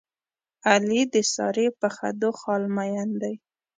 علي د سارې په خدو خال مین دی.